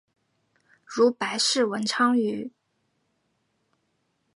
如白氏文昌鱼。